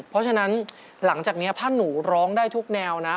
เพราะฉะนั้นหลังจากนี้ถ้าหนูร้องได้ทุกแนวนะ